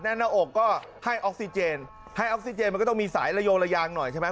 หน้าอกก็ให้ออกซิเจนให้ออกซิเจนมันก็ต้องมีสายระโยงระยางหน่อยใช่ไหม